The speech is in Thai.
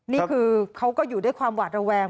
นี่คือเขาก็อยู่ด้วยความหวาดระแวง